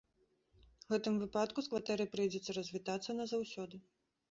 У гэтым выпадку з кватэрай прыйдзецца развітацца назаўсёды.